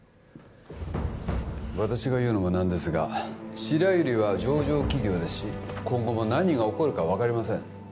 私が言うのもなんですが白百合は上場企業ですし今後も何が起こるか分かりません